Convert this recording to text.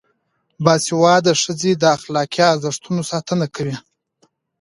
باسواده ښځې د اخلاقي ارزښتونو ساتنه کوي.